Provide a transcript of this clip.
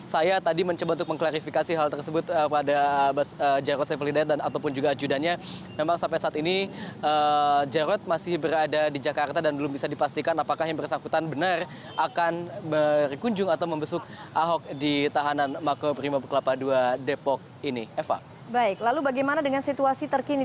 saya tadi mencoba untuk mengklarifikasi hal tersebut pada jerod saiful hidayat dan ataupun juga ajudannya memang sampai saat ini jerod masih berada di jakarta dan belum bisa dipastikan apakah yang bersangkutan benar akan berkunjung atau membesuk ahok di tahanan makoprimap kelapa dua depok ini